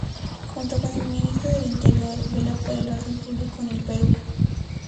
Junto con el Ministro del Interior, vela por el orden público en el Perú.